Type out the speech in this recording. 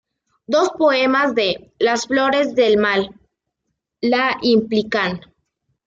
Dos poemas de "Las flores del mal" la implican.